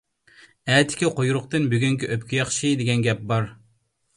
«ئەتىكى قۇيرۇقتىن بۈگۈنكى ئۆپكە ياخشى» دېگەن گەپ بار.